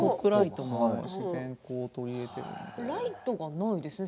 ライトがないですね